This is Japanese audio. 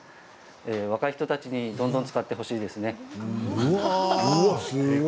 若い人たちにどんどん使ってほしいですね。